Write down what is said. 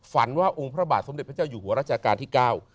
ฝันว่าองค์พระบาทสมเด็จพระเจ้าอยู่หัวรัชกาลที่เก้า